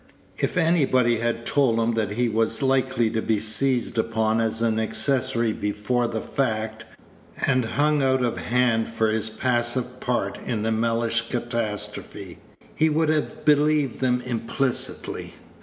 If anybody had told him that he was likely to be seized upon as an accessory before the fact, and hung out of hand for his passive part in the Mellish catastrophe, he would have believed them implicitly.